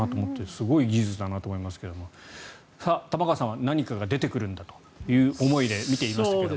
すごい技術だなと思ったんですが玉川さんは、何かが出てくるんだという思いで見ていましたが。